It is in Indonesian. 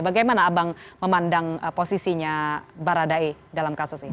bagaimana abang memandang posisinya barara daye dalam kasus ini